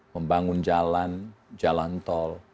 membangun jalan jalan tol